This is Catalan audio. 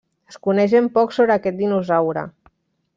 Es coneix ben poc sobre aquest dinosaure.